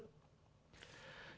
trường hợp khác là trương quốc huy